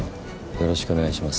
よろしくお願いします。